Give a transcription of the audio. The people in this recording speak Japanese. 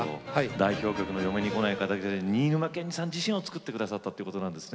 代表曲の「嫁に来ないか」だけじゃなく新沼謙治さん自身をつくって下さったということなんですね。